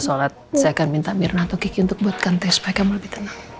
saya akan minta mirna atau kiki untuk buatkan teh supaya kamu lebih tenang